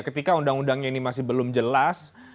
ketika undang undangnya ini masih belum jelas